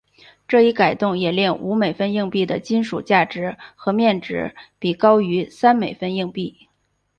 这一改动也令五美分硬币的金属价值和面值比高于三美分硬币。